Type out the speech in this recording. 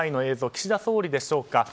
岸田総理でしょうか。